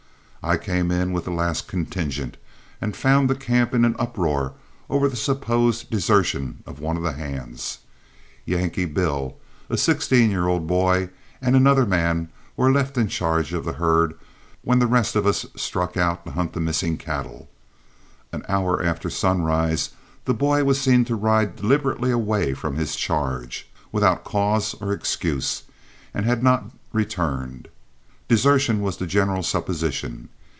I came in with the last contingent and found the camp in an uproar over the supposed desertion of one of the hands. Yankee Bill, a sixteen year old boy, and another man were left in charge of the herd when the rest of us struck out to hunt the missing cattle. An hour after sunrise the boy was seen to ride deliberately away from his charge, without cause or excuse, and had not returned. Desertion was the general supposition.